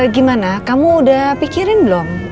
gimana kamu udah pikirin belum